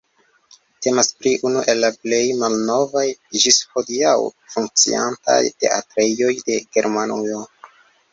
Temas pri unu el la plej malnovaj ĝis hodiaŭ funkciantaj teatrejoj de Germanujo.